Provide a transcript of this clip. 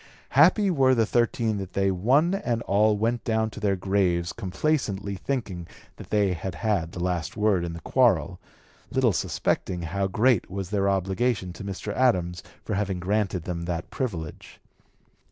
Happy were the thirteen that they one and all went down to their graves complaisantly thinking that they had had the last word in the quarrel, little suspecting how great was their obligation to Mr. Adams for having granted them that privilege.